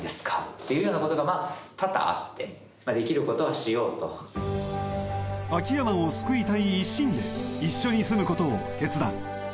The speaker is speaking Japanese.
っていうようなことがまあ多々あってできることはしようと秋山を救いたい一心で一緒に住む事を決断